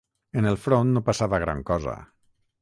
En el front no passava gran cosa